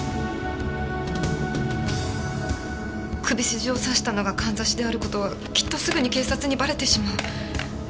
首筋を刺したのがかんざしである事はきっとすぐに警察にバレてしまう。